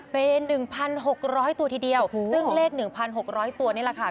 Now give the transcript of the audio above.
เป็น๑๖๐๐ตัวทีเดียวซึ่งเลข๑๖๐๐ตัวนี่แหละค่ะ